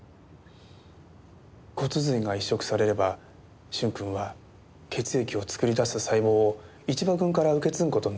骨髄が移植されれば駿君は血液を作り出す細胞を一場君から受け継ぐ事になります。